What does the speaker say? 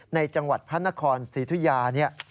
ในจังหวัดพระนครสิทธุยา